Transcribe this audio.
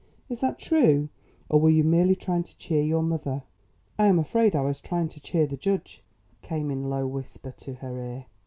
Is that true, or were you merely trying to cheer your mother?" "I am afraid I was trying to cheer the judge," came in low whisper to her ear.